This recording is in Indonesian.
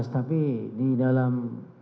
tapi di dalam